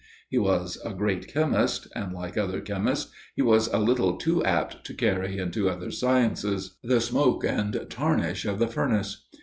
He was a great chemist, and like other chemists, he was a little too apt to carry into other sciences "the smoke and tarnish of the furnace."